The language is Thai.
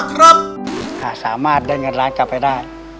หากสามารถได้เงินล้านกลับไปได้